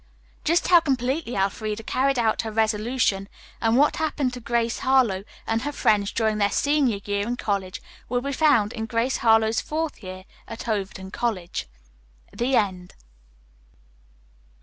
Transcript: Just how completely Elfreda carried out her resolution and what happened to Grace Harlowe and her friends during their senior year in college will be found in "Grace Harlowe's Fourth Year at Overton College." THE END.